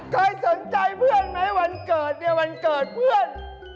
เคยสนใจเพื่อนไหมวันเกิดเนี่ยวันเกิดเพื่อน